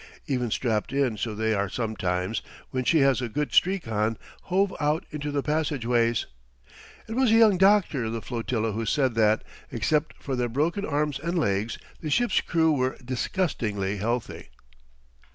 Even strapped in so they are sometimes, when she has a good streak on, hove out into the passageways. It was a young doctor of the flotilla who said that, except for their broken arms and legs, his ship's crew were disgustingly healthy.